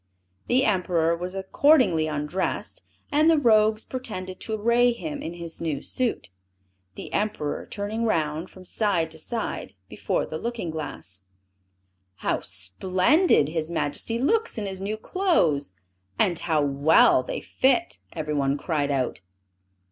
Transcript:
The Emperor was accordingly undressed, and the rogues pretended to array him in his new suit; the Emperor turning round, from side to side, before the looking glass. "How splendid his Majesty looks in his new clothes, and how well they fit!" everyone cried out.